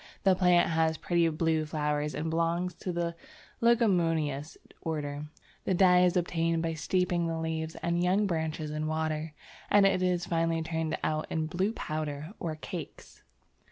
The plant has pretty blue flowers and belongs to the Leguminous order. The dye is obtained by steeping the leaves and young branches in water, and it is finally turned out in blue powder or cakes.